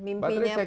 mimpinya pak luhut